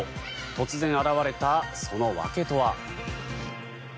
突然現れた、その訳とは。